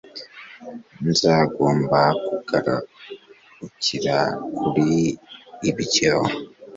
Nzagomba kukugarukira kuri ibyo